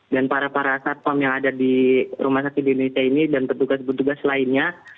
dan para para satpam yang ada di rumah sakit indonesia ini dan petugas petugas lainnya